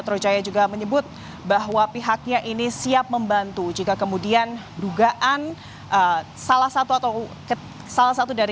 temuan salah satu kelemahan